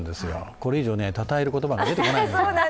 これ以上、たたえる言葉が出てこないんですよ。